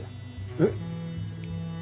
えっ。